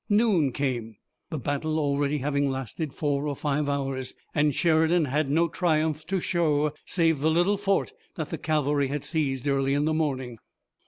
Noon came, the battle already having lasted four or five hours, and Sheridan had no triumph to show, save the little fort that the cavalry had seized early in the morning.